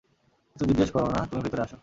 কিছু জিজ্ঞেস করো না তুমি ভেতরে আসো।